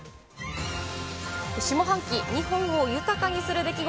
下半期日本を豊かにする出来事